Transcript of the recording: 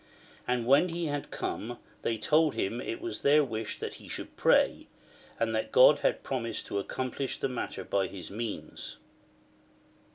And when he had come they told him it was their wish that he should pray, and that God had promised to accomplish the matter by his means.